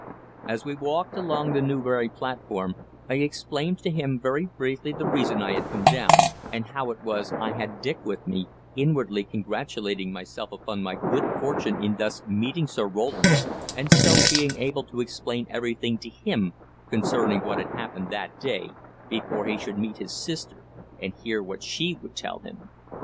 As we walked along the Newbury platform I explained to him very briefly the reason I had come down, and how it was I had Dick with me, inwardly congratulating myself upon my good fortune in thus meeting Sir Roland and so being able to explain everything to him concerning what had happened that day, before he should meet his sister and hear what she would tell him.